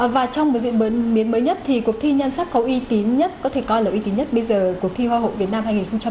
và trong một diễn biến mới nhất thì cuộc thi nhan sắc có y tín nhất có thể coi là y tín nhất bây giờ cuộc thi hoa hậu việt nam hai nghìn một mươi tám